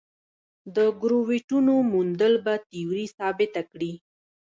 د ګرویټونو موندل به تیوري ثابته کړي.